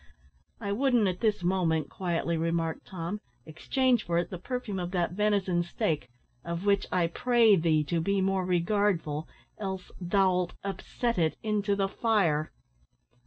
"I wouldn't, at this moment," quietly remarked Tom, "exchange for it the perfume of that venison steak, of which I pray thee to be more regardful, else thou'lt upset it into the fire."